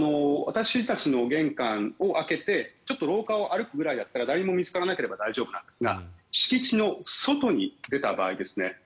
私たちの玄関を開けてちょっと廊下を歩くぐらいだったら誰にも見つからなければ大丈夫なんですが敷地の外に出た場合ですね